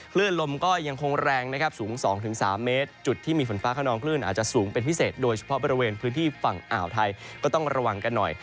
คลื่นลมก็ยังคงแรงนะครับสูง๒๓เมตรจุดที่มีฝนฟ้าขนองคลื่นอาจจะสูงเป็นพิเศษโดยเฉพาะบริเวณพื้นที่ฝั่งอ่าวไทยก็ต้องระวังกันหน่อย